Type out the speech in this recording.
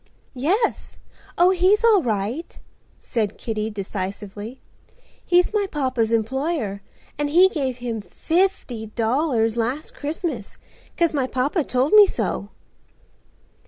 "Yes. Oh, he's all right," said Kitty decisively. "He's my papa's employer and he gave him fifty dollars last Christmas, 'cause my papa told me so."